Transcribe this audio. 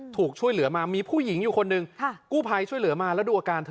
ถูกช่วยเหลือมามีผู้หญิงอยู่คนหนึ่งกู้ภัยช่วยเหลือมาแล้วดูอาการเธอ